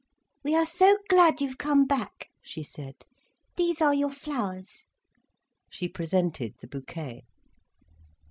"We are so glad you've come back," she said. "These are your flowers." She presented the bouquet.